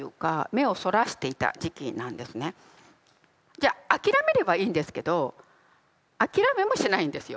じゃ諦めればいいんですけど諦めもしないんですよ。